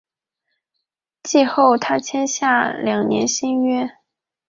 季后他签下两年新约。